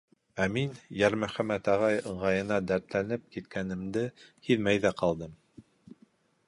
Ә мин Йәрмөхәмәт ағай ыңғайына дәртләнеп киткәнемде һиҙмәй ҙә ҡалдым.